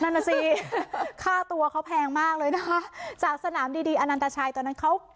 นั่นน่ะสิค่าตัวเขาแพงมากเลยนะคะจากสนามดีดีอนันตชัยตอนนั้นเขา